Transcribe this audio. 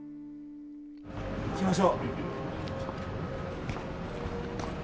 いきましょう！